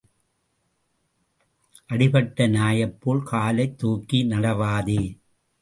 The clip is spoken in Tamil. அடிபட்ட நாயைப் போல் காலைத் தூக்கி நடவாதே.